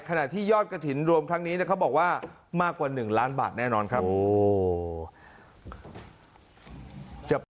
ขณะที่ยอดกระถิ่นรวมครั้งนี้เขาบอกว่ามากกว่า๑ล้านบาทแน่นอนครับ